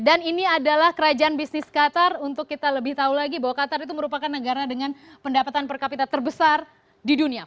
dan ini adalah kerajaan bisnis qatar untuk kita lebih tahu lagi bahwa qatar itu merupakan negara dengan pendapatan per kapita terbesar di dunia